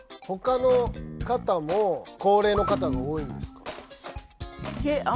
ほかの方も高齢の方が多いんですか？